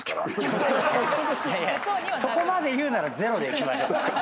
そこまで言うならゼロでいきましょう。